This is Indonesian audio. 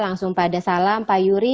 langsung pada salam pak yuri